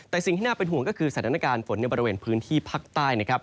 แต่สิ่งที่น่าเป็นห่วงก็คือสถานการณ์ฝนในบริเวณพื้นที่ภาคใต้นะครับ